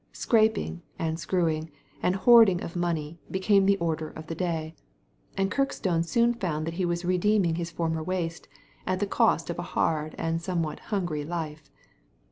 Scraping, and screwing, and hoarding of money became the order of the day ; and Kirkstone soon found that he was redeeming his former waste, at the cost of a hard and somewhat hungry life.